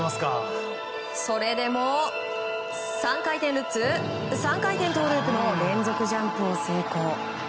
それでも、３回転ルッツ３回転トウループの連続ジャンプを成功。